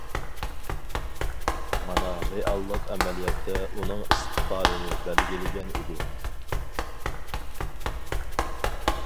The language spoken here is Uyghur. مانا رېئاللىق ئەمەلىيەتتە ئۇنىڭ ئىستىقبالىنى بەلگىلىگەن ئىدى.